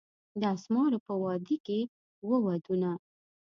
د اسمارو په وادي کښي وو ودونه